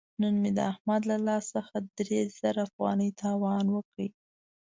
نن مې د احمد له لاس څخه درې زره افغانۍ تاوان وکړ.